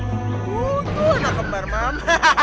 tujuh anak kembar mam